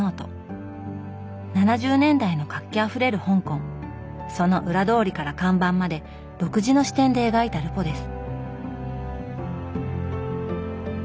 ７０年代の活気あふれる香港その裏通りから看板まで独自の視点で描いたルポです。